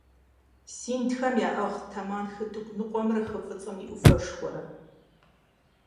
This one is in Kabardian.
Синдхэм яӀыгът Тамэн хытӀыгу ныкъуэмрэ хы ФӀыцӀэм и Ӏуфэшхуэрэ.